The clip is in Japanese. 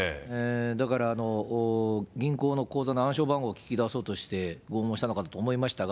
だから銀行の口座の暗証番号を聞き出そうとして、拷問したのかと思いましたが。